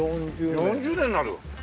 ４０年になる？